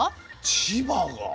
千葉が。